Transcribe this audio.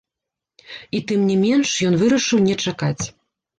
І, тым не менш, ён вырашыў не чакаць.